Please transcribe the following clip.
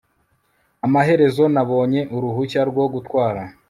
amaherezo nabonye uruhushya rwo gutwara